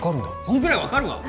そのくらい分かるわ！